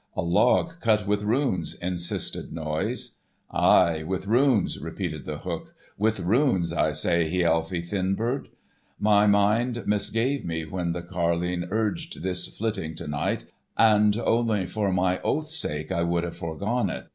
"A log cut with runes," insisted Noise. "Ay, with runes," repeated The Hook. "With runes, I say, Hialfi Thinbeard. My mind misgave me when the carline urged this flitting to night, and only for my oath's sake I would have foregone it.